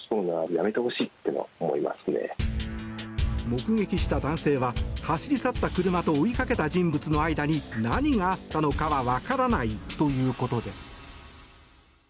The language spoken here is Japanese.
目撃した男性は走り去った車と追いかけた人物の間に何があったのかは分からないということです。